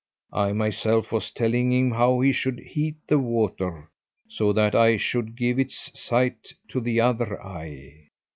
I myself was telling him how he should heat the water, so that I should give its sight to the other eye.